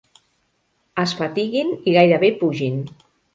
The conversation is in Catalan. Es fatiguin i gairebé pugin.